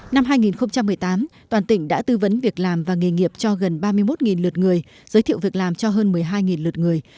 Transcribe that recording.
năm hai nghìn một mươi tám toàn tỉnh đã tư vấn việc làm và nghề nghiệp cho gần ba mươi một lượt người giới thiệu việc làm cho hơn một mươi hai lượt người